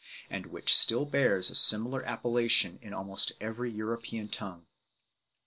and which still bears a similar appellation in almost every European tongue.